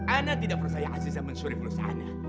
ana tidak percaya aziza mencuri pelusa ana